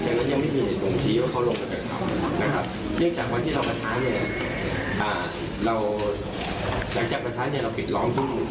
ทางลงที่สามกับทางลงที่สองเราปิดล้อมทั้งหมู่แล้ว